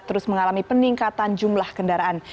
terus mengalami peningkatan jumlah kendaraan